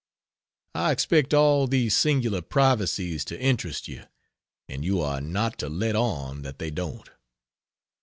I expect all these singular privacies to interest you, and you are not to let on that they don't.